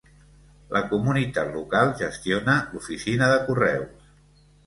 La comunitat local gestiona l'oficina de correus.